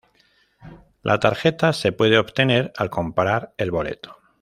La tarjeta se puede obtener al comprar el boleto.